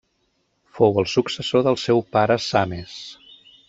Fou el successor del seu pare Sames.